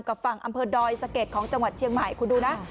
ฝั่งอำเภอดอยสะเก็ดของจังหวัดเชียงใหม่คุณดูนะ